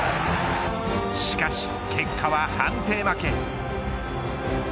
しかし結果は判定負け。